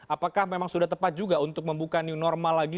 apakah memang sudah tepat juga untuk membuka new normal lagi